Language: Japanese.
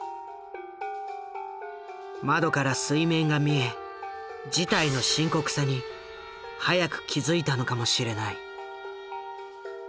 窓から水面が見え事態の深刻さに早く気付いたのかもしれない。